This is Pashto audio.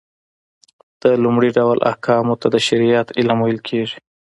د لومړي ډول احکامو ته د شريعت علم ويل کېږي .